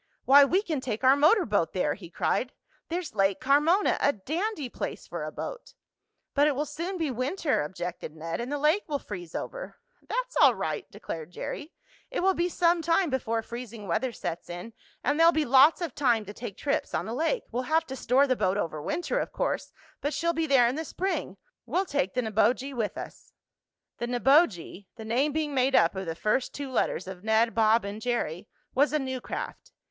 why, we can take our motor boat there!" he cried. "There's Lake Carmona a dandy place for a boat." "But it will soon be winter," objected Ned, "and the lake will freeze over." "That's all right," declared Jerry. "It will be some time before freezing weather sets in, and there'll be lots of time to take trips on the lake. We'll have to store the boat over winter, of course, but she'll be there in the spring. We'll take the Neboje with us." The Neboje (the name being made up of the first two letters of Ned, Bob and Jerry) was a new craft.